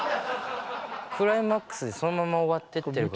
クライマックスでそのまま終わってってるから。